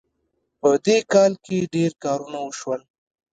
په دې کال کې ډېر کارونه وشول